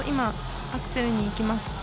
アクセルにいきます。